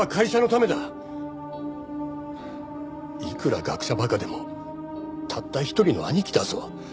いくら学者馬鹿でもたった一人の兄貴だぞ？